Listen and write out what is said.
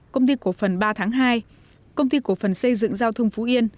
công ty cổ phần ba tháng hai công ty cổ phần xây dựng giao thông phú yên